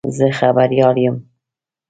زه خبریال یم.